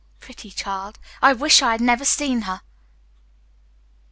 Pretty child, I wish I had never seen her!"